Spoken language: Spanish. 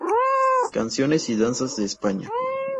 Canciones y Danzas de España.